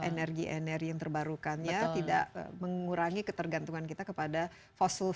energi energi yang terbarukannya tidak mengurangi ketergantungan kita kepada fossil